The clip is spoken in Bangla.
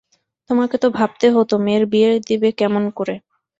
তোমাকে তো ভাবতে হত মেয়ের বিয়ে দেবে কেমন করে।